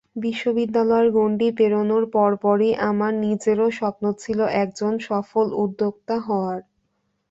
বিশ্ববিদ্যালয় গণ্ডি পেরোনোর পরপরই আমার নিজেরও স্বপ্ন ছিল একজন সফল উদ্যোক্তা হওয়ার।